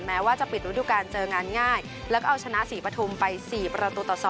แม้ว่าจะปิดฤดูการเจองานง่ายแล้วก็เอาชนะศรีปฐุมไป๔ประตูต่อ๒